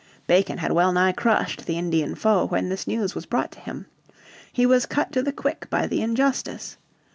Bacon had well nigh crushed the Indian foe when this news was brought to him. He was cut to the quick by the injustice.